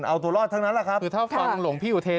เอาตัวรอดทั้งนั้นแหละครับคือถ้าฟังหลวงพี่อุเทน